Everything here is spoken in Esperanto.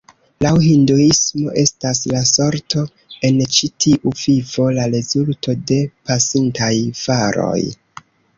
Laŭ Hinduismo estas la sorto en ĉi tiu vivo la rezulto de pasintaj faroj.